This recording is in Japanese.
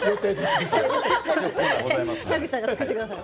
田口さんが作ってくださる。